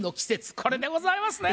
これでございますね。